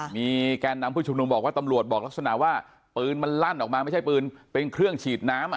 มีแกนนำผู้ชุมนุมบอกว่าตำรวจบอกลักษณะว่าปืนมันลั่นออกมาไม่ใช่ปืนเป็นเครื่องฉีดน้ำ